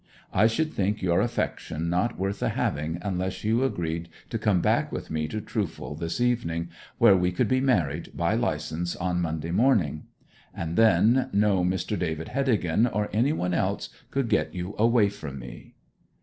I should think your affection not worth the having unless you agreed to come back with me to Trufal this evening, where we could be married by licence on Monday morning. And then no Mr. David Heddegan or anybody else could get you away from me.'